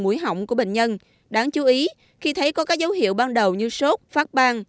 mũi hỏng của bệnh nhân đáng chú ý khi thấy có các dấu hiệu ban đầu như sốt phát bang